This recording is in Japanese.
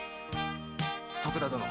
徳田殿。